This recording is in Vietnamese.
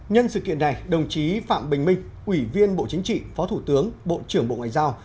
nhân sự kiện này đồng chí phạm bình minh ủy viên bộ chính trị phó thủ tướng bộ trưởng bộ ngoại giao